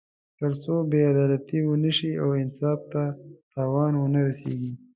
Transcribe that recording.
تر څو بې عدالتي ونه شي او انصاف ته تاوان ونه رسېږي.